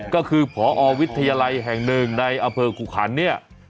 ก็คือพอวิทยาลัยแห่งหนึ่งในอำเภอขุขันเนี่ย